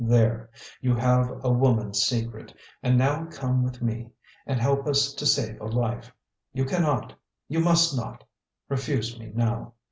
There! You have a woman's secret. And now come with me, and help us to save a life. You can not, you must not, refuse me now."